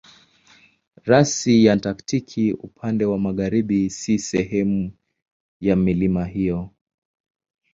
Rasi ya Antaktiki upande wa magharibi si sehemu ya milima hiyo.